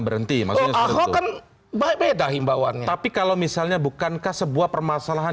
berhenti maksudnya akan baik baik dahi bawaannya tapi kalau misalnya bukankah sebuah permasalahan